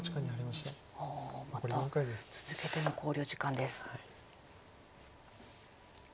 ああまた続けての考慮時間です。